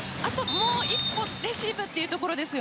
もう１本レシーブというところです。